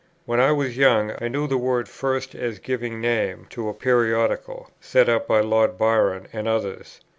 When I was young, I knew the word first as giving name to a periodical, set up by Lord Byron and others.